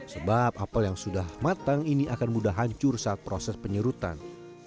sebab apel yang sudah matang ini akan mudah hancur saat proses penyerutan